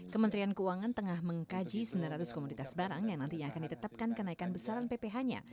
kementerian keuangan tengah mengkaji sembilan ratus komoditas barang yang nantinya akan ditetapkan kenaikan besaran pph nya